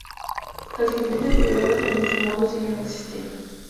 Las Iglesias creadas en ese modo siguen existiendo.